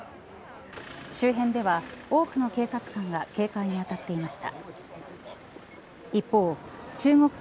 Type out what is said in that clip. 周辺では多くの警察官が警戒に当たっていました。